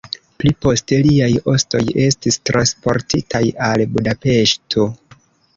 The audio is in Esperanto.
Pli poste liaj ostoj estis transportitaj al Budapeŝto.